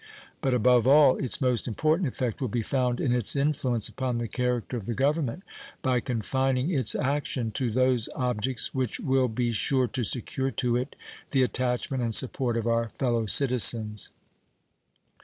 But above all, its most important effect will be found in its influence upon the character of the Government by confining its action to those objects which will be sure to secure to it the attachment and support of our fellow citizens.